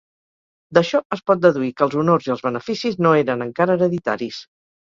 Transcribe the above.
D'això es pot deduir que els honors i els beneficis no eren encara hereditaris.